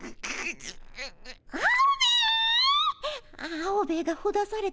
アオベエがほだされた